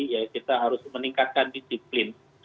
ya kita harus meningkatkan disiplin